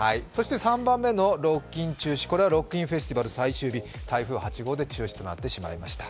３番目のロッキン中止ロッキンフェスの最終日、台風８号で中止となってしまいました。